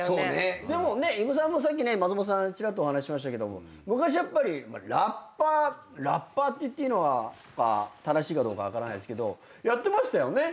でも伊武さんもさっき松本さんちらっとお話ししましたけども昔やっぱりラッパーラッパーって言っていいのか正しいかどうか分からないですがやってましたよね？